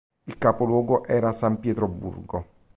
Il capoluogo era San Pietroburgo.